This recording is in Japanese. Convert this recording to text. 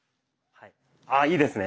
あいいですね。